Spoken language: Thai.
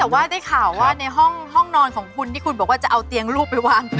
แต่ว่าได้ข่าวว่าในห้องนอนของคุณที่คุณบอกว่าจะเอาเตียงลูกไปวาง